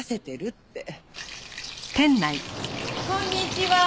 こんにちは。